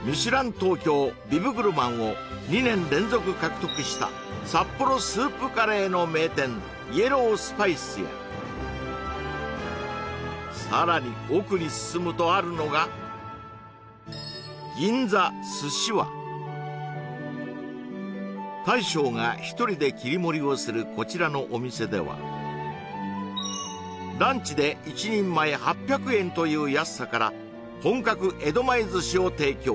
東京・ビブグルマンを２年連続獲得した札幌スープカレーの名店イエロースパイスやさらに奥に進むとあるのが大将が１人で切り盛りをするこちらのお店ではランチで１人前８００円という安さから本格江戸前寿司を提供